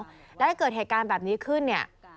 แล้วถ้าเกิดเหตุการณ์แบบนี้ขึ้นเนี่ย